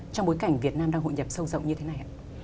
trong bối cảnh việt nam đang hội nhập sâu rộng như thế này ạ